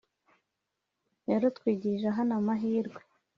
rero twigirira hano amahirwe